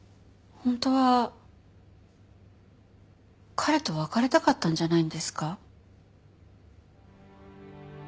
本当は彼と別れたかったんじゃないんですか？